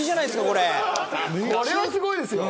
これはすごいですよ。